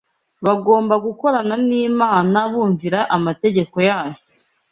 bagomba gukorana n’Imana bumvira amategeko yayo